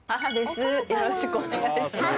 よろしくお願いします。